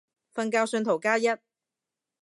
瞓覺信徒加一